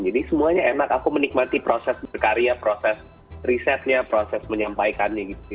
jadi semuanya enak aku menikmati proses berkarya proses risetnya proses menyampaikannya gitu